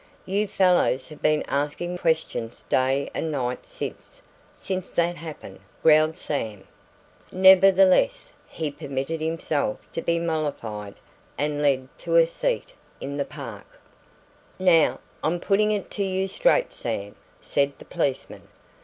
"You fellows have been asking questions day and night since since that happened," growled Sam. Nevertheless, he permitted himself to be mollified and led to a seat in the Park. "Now, I'm putting it to you straight, Sam," said the policeman.